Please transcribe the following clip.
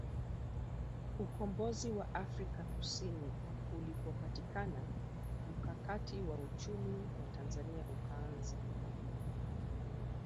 Ukombozi wa Afrika Kusini ulipopatikana mkakati wa uchumi wa Tanzania ukaanza